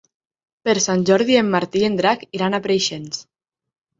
Per Sant Jordi en Martí i en Drac iran a Preixens.